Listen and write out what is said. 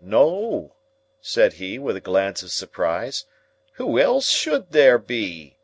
"No," said he, with a glance of surprise: "who else should there be?